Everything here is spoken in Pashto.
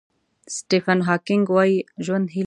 سټیفن هاکینګ وایي ژوند هیله او امید دی.